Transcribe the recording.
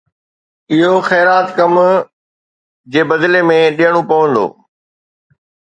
اهو خيرات ڪم جي بدلي ۾ ڏيڻو پوندو.